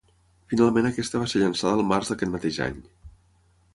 Finalment aquesta va ser llançada el març d'aquest mateix any.